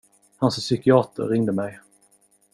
Hans psykiater ringde mig.